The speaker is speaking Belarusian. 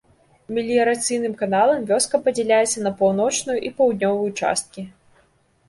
Меліярацыйным каналам вёска падзяляецца на паўночную і паўднёвую часткі.